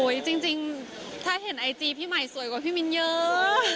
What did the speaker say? จริงถ้าเห็นไอจีพี่ใหม่สวยกว่าพี่มิ้นเยอะ